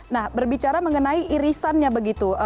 nah berbicara mengenai irisannya begitu